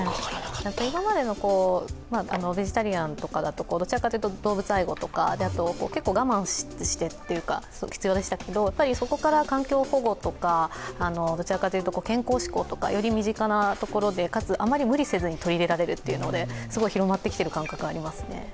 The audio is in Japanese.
今までのベジタリアンとかだとどちらかというと動物愛護とか我慢してとかが必要でしたけどそこから環境保護とかどちらかというと健康志向とかより身近なところで、かつあまり無理せずに取り入れられるというので広まってきている感覚がありますね。